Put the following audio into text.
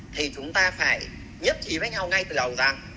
thì chúng ta phải nhất trí với nhau ngay từ đầu rằng